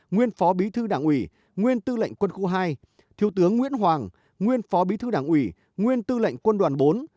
nguyên phó bí thư đảng ủy nguyên tư lệnh quân khu hai thiếu tướng nguyễn hoàng nguyên phó bí thư đảng ủy nguyên tư lệnh quân đoàn bốn